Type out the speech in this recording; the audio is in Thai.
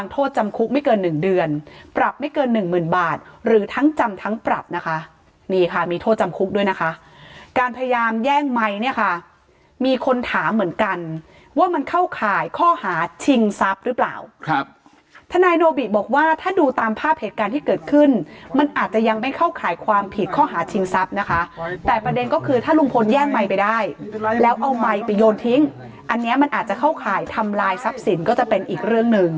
โทษจำคุกไม่เกินหนึ่งเดือนปรับไม่เกินหนึ่งหมื่นบาทหรือทั้งจำทั้งปรับนะคะนี่ค่ะมีโทษจำคุกด้วยนะคะการพยายามแย่งไมค์เนี่ยค่ะมีคนถามเหมือนกันว่ามันเข้าข่ายข้อหาชิงทรัพย์หรือเปล่าครับทนายโนบิบอกว่าถ้าดูตามภาพเหตุการณ์ที่เกิดขึ้นมันอาจจะยังไม่เข้าข่ายความผิดข้อหาชิงทร